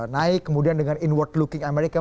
naik kemudian dengan inward looking amerika